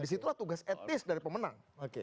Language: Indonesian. di situ tugas etnis dari pemenang